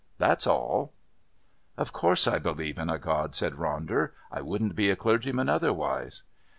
That's all." "Of course I believe in a God," said Ronder, "I wouldn't be a clergyman otherwise."